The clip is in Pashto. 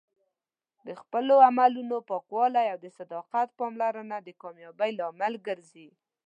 د خپلو عملونو پاکوالی او د صداقت پاملرنه د کامیابۍ لامل ګرځي.